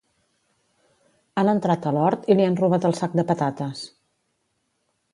Han entrat a l'hort i li han robat el sac de patates